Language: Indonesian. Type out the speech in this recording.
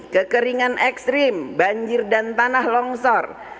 kekeringan ekstrim banjir dan tanah longsor